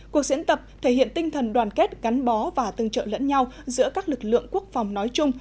cuộc diễn tập thể hiện tinh thần đoàn kết gắn bó và tương trợ lẫn nhau giữa các lực lượng quốc phòng nói chung